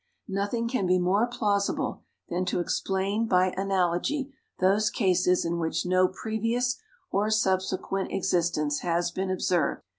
Nothing can be more plausible than to explain by analogy those cases in which no previous or subsequent existence has been observed.